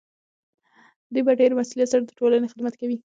دوی په ډیر مسؤلیت سره د ټولنې خدمت کوي.